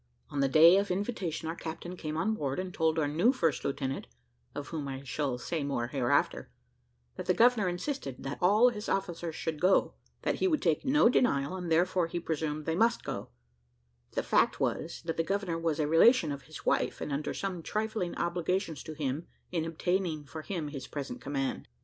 On the day of invitation our captain came on board, and told our new first lieutenant (of whom I shall say more hereafter) that the governor insisted, that all his officers should go that he would take no denial, and therefore, he presumed, go they must; that the fact was, that the governor was a relation of his wife, and under some trifling obligations to him in obtaining for him his present command.